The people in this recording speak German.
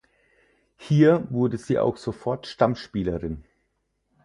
Hier wurde sie auch sofort Stammspielerin.